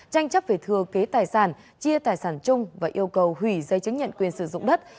tranh chấp về thừa kế tài sản chia tài sản chung và yêu cầu hủy dây chứng nhận quyền sử dụng đất